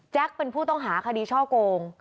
เป็นผู้ต้องหาคดีช่อโกง